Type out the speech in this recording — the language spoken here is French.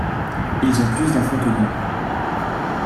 Ils ont plus d'enfants que nous.